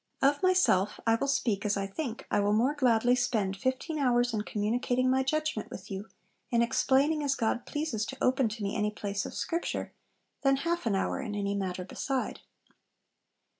'Of myself I will speak as I think; I will more gladly spend fifteen hours in communicating my judgment with you, in explaining as God pleases to open to me any place of Scripture, than half an hour in any matter beside.'